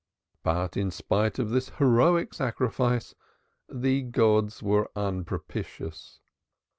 But in spite of this heroic sacrifice, the gods were unpropitious.